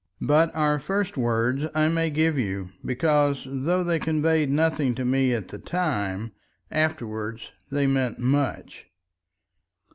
But our first words I may give you, because though they conveyed nothing to me at the time, afterwards they meant much.